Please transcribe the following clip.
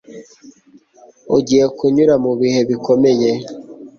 ugiye kunyura mubihe bikomeye